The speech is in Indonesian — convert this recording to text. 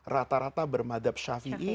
rata rata bermadab syafi'i